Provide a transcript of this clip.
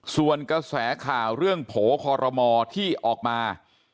ส่วนกระแสข่าวเรื่องโผล่คอรมอที่ออกมา